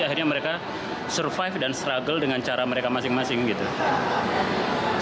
akhirnya mereka survive dan struggle dengan cara mereka masing masing gitu